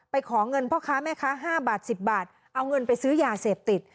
ขอเงินพ่อค้าแม่ค้า๕บาท๑๐บาทเอาเงินไปซื้อยาเสพติด